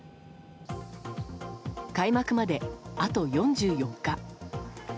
開幕まで、あと４４日。